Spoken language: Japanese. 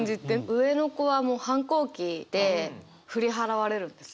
上の子はもう反抗期で振り払われるんです。